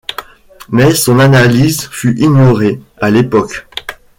Mais son analyse fut ignorée à l'époque.